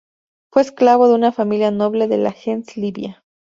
Fue esclavo de una familia noble de la gens Livia.